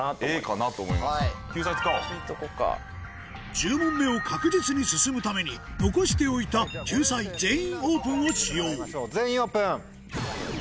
１０問目を確実に進むために残しておいた救済「全員オープン」を使用全員オープン！